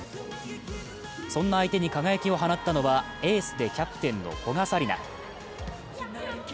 そんな相手に輝きを放ったのは、エースでキャプテンの古賀紗理那。